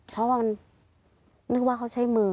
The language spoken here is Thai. เพราะมันนึกว่าเขาใช้มือ